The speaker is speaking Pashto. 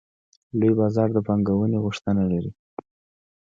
لوی بازار د پانګونې غوښتنه لري.